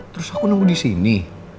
terus aku nunggu di sini